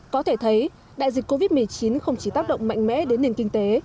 có thể thấy đại dịch covid một mươi chín không chỉ tác động mạnh mẽ đến nền kinh tế